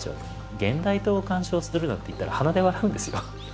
「現代刀を鑑賞する」なんて言ったら鼻で笑うんですよ。